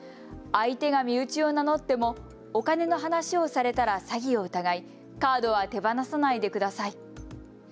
相手が身内を名乗ってもお金の話をされたら詐欺を疑いカードは手放さないでください。